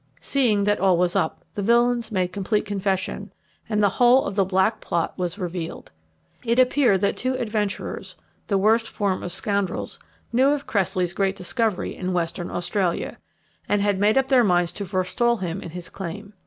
Seeing that all was up, the villains made complete confession, and the whole of the black plot was revealed. It appeared that two adventurers, the worst form of scoundrels, knew of Cressley's great discovery in Western Australia, and had made up their minds to forestall him in his claim.